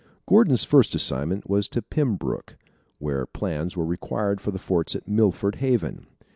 Gordon's first assignment was to Pembroke, where plans were required for the forts at Milford Haven.